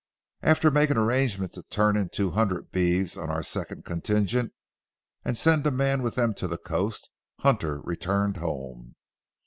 After making arrangements to turn in two hundred beeves on our second contingent, and send a man with them to the coast, Hunter returned home.